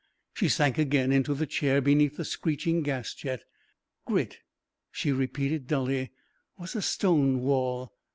She sank again into the chair beneath the screeching gas jet. "Grit," she repeated dully, "was a stone wall."